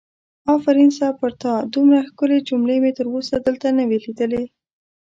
آفرین سه پر تا دومره ښکلې جملې مې تر اوسه دلته نه وي لیدلې!